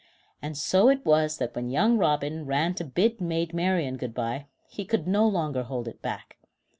And so it was that when young Robin ran to bid Maid Marian good bye, he could no longer hold it back.